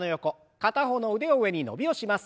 片方の腕を上に伸びをします。